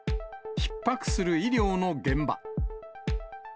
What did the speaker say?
ひっ迫する医療の現場。